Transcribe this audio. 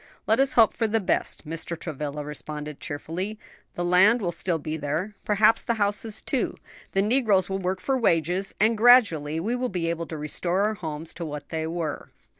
"Let us hope for the best," Mr. Travilla responded cheerfully; "the land will still be there, perhaps the houses too; the negroes will work for wages, and gradually we may be able to restore our homes to what they were."